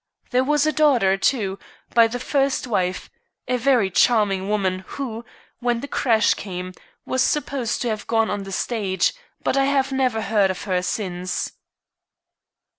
There was a daughter, too, by the first wife, a very charming woman, who, when the crash came, was supposed to have gone on the stage. But I have never heard of her since."